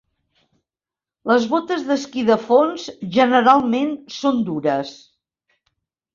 Les botes d'esquí de fons generalment són dures.